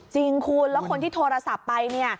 จริงคุณแล้วคนที่โทรศัพท์ไปเนี่ย